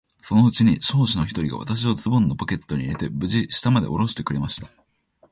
そのうちに召使の一人が、私をズボンのポケットに入れて、無事に下までおろしてくれました。